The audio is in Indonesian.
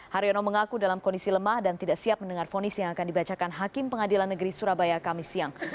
haryono mengaku dalam kondisi lemah dan tidak siap mendengar fonis yang akan dibacakan hakim pengadilan negeri surabaya kamis siang